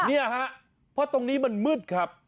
เนี่ยฮะเพราะตรงนี้มันมืดครับ